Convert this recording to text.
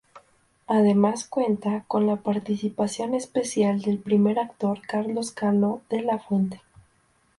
Además cuenta con la participación especial del primer actor Carlos Cano de la Fuente.